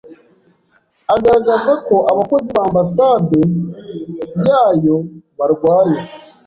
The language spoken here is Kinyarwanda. agaragaza ko abakozi b'ambasade yayo barwaye